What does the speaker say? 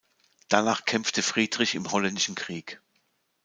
Danach kämpfte Friedrich im Holländischen Krieg.